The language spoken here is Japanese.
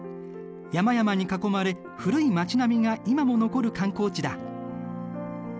山々に囲まれ古い町並みが今も残る観光地だ。